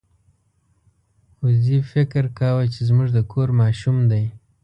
وزې فکر کاوه چې زموږ د کور ماشوم دی.